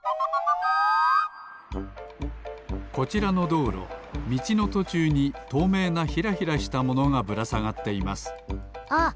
こちらのどうろみちのとちゅうにとうめいなヒラヒラしたものがぶらさがっていますあっ！